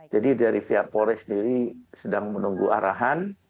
jadi dari pihak polis sendiri sedang menunggu arahan